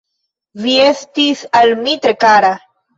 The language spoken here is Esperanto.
Vi estis al mi tre kara.